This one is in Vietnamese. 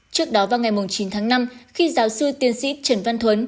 trước đó vào ngày chín tháng năm khi giáo sư tiến sĩ trần văn thuấn